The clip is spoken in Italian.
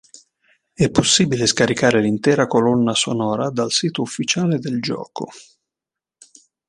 È possibile scaricare l'intera colonna sonora dal sito ufficiale del gioco.